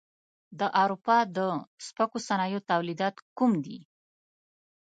د اروپا د سپکو صنایعو تولیدات کوم دي؟